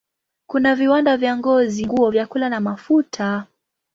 Kuna viwanda vya ngozi, nguo, vyakula na mafuta.